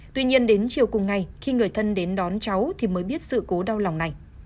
tuy nhiên đến chiều cùng ngày khi người thân đến đón cháu thì mới biết sự cố đau lòng này